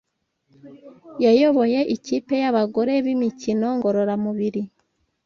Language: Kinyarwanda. yayoboye ikipe y'abagore b'imikino ngororamubiri